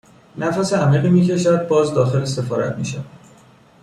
نفس عمیقی میکشد باز داخل سفارت میشود